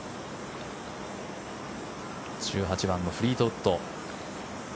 １８番のフリートウッド。